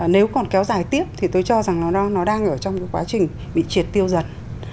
nếu còn kéo dài tiếp thì tôi cho rằng nó đang ở trong cái quá trình bị triệt tiêu giật